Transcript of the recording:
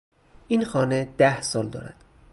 این خانه ده سال دارد.